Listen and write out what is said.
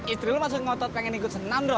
istri lo masih ngotot pengen ikut senang bro